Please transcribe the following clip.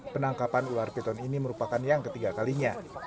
penangkapan ular piton ini merupakan yang ketiga kalinya